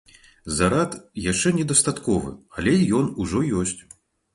Зарад яшчэ не дастатковы, але ён ужо ёсць.